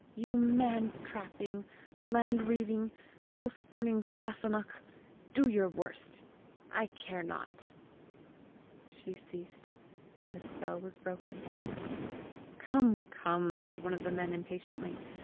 You man trapping, land reaving, house burning Sasunnach, do your worst! I care not." She ceased, and the spell was broken. "Come, come!" said one of the men impatiently.